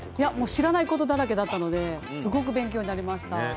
知らないことだらけだったので、すごく勉強になりました。